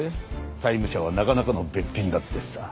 債務者はなかなかのべっぴんだってさ。